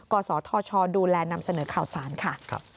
กศธชดูแลนำเสนอข่าวสารค่ะ